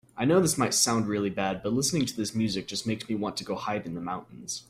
I know this might sound really bad, but listening to this music just makes me want to go hide in the mountains.